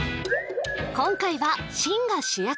今回は芯が主役